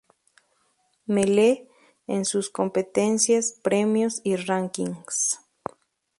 Melee" en sus competencias, premios y "rankings".